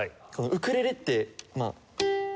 ウクレレってまあ。